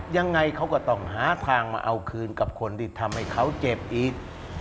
ยังไงเขาก็ต้องหาทางมาเอาคืนกับคนที่ทำให้เขาเจ็บอีก